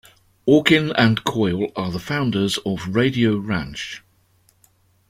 Orkin and Coyle are the founders of Radio Ranch.